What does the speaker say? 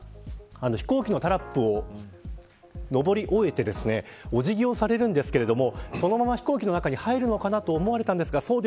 飛行機のタラップを上り終えてお辞儀をされるんですけれどもそのまま飛行機の中に入るのかなと思われたんですがそう